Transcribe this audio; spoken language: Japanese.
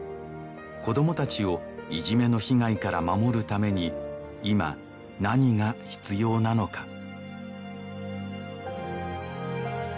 子どもたちをいじめの被害から守るために今何が必要なのか？